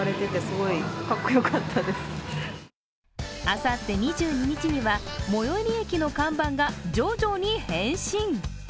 あさって２２日には、最寄り駅の看板がジョジョに変身。